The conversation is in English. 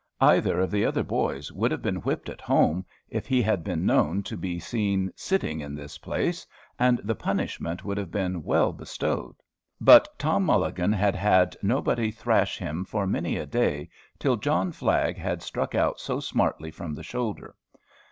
Either of the other boys would have been whipped at home if he had been known to be seen sitting in this place, and the punishment would have been well bestowed. But Tom Mulligan had had nobody thrash him for many a day till John Flagg had struck out so smartly from the shoulder.